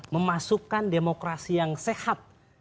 memasukkan demokrasi yang sehat